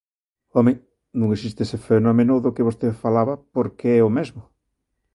¡Home!, non existe ese fenómeno do que vostede falaba porque é o mesmo.